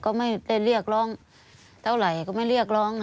ก็ไม่ได้เรียกร้องเท่าไหร่ก็ไม่เรียกร้องนะ